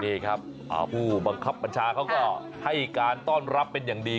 นี่ครับผู้บังคับบัญชาเขาก็ให้การต้อนรับเป็นอย่างดี